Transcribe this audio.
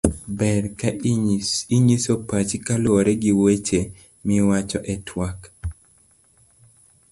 ber ka inyiso pachi kaluwore gi weche miwacho e twak